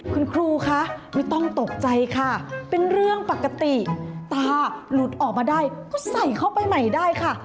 คุณครูคะไม่ต้องตกใจค่ะเป็นเรื่องปกติตาหลุดออกมาได้ก็ใส่เข้าไปใหม่ได้ค่ะ